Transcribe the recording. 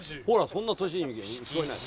そんな年に聞こえない。